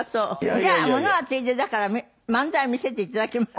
じゃあものはついでだから漫才見せて頂けます？